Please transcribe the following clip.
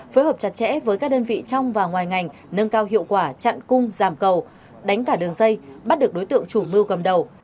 phối hợp chặt chẽ với các đơn vị trong và ngoài ngành nâng cao hiệu quả chặn cung giảm cầu đánh cả đường dây bắt được đối tượng chủ mưu cầm đầu